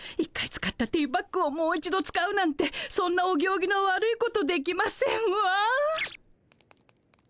１回使ったティーバッグをもう一度使うなんてそんなお行儀の悪いことできませんわ。